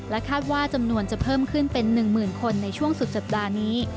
คาดว่าจำนวนจะเพิ่มขึ้นเป็น๑๐๐๐คนในช่วงสุดสัปดาห์นี้